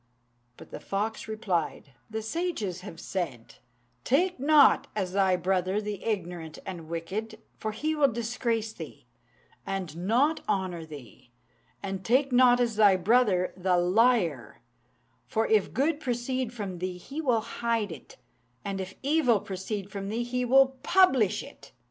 But the fox replied, "The sages have said, 'Take not as thy brother the ignorant and wicked, for he will disgrace thee, and not honour thee; and take not as thy brother the liar, for if good proceed from thee he will hide it, and if evil proceed from thee he will publish it!'